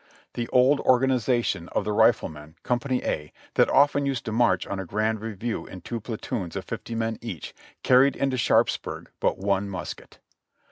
The old organization of the Riflemen, Company A, that often used to march on a grand review in two platoons of fifty men each, carried into Sharpsburg but one musket.